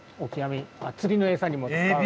釣りの餌にも使う。